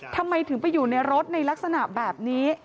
ทำไมถึงไปอยู่ในรถในลักษณะแบบนี้